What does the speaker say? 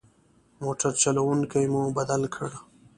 موټر چلوونکی مو بدل کړ.